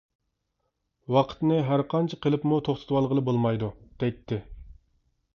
ۋاقىتنى ھەرقانچە قىلىپمۇ توختىتىۋالغىلى بولمايدۇ، دەيتتى.